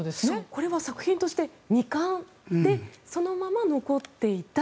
これ、作品としては未完でそのまま残っていた。